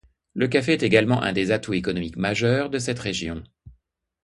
Le café est également un des atouts économiques majeurs de cette région.